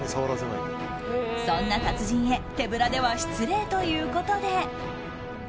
そんな達人へ手ぶらでは失礼ということで。